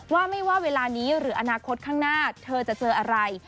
ว่าไม่ว่าเวลานี้หรืออนาคตข้างหน้าเธอจะเจออะไร